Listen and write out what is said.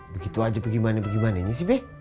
begitu aja bagaimana bagaimana ini sih be